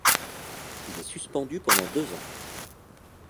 Il est suspendu pendant deux ans.